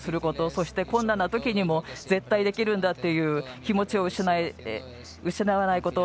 そして困難な時にも絶対できるんだという気持ちを失わないこと。